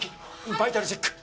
バイタルチェック！